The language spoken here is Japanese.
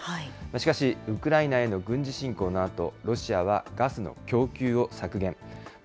しかし、ウクライナへの軍事侵攻のあと、ロシアはガスの供給を削減。